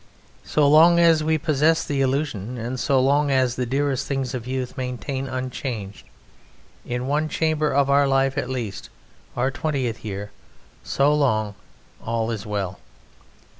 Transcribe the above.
So long as we possess the illusion and so long as the dearest things of youth maintain unchanged, in one chamber of our life at least, our twentieth year, so long all is well.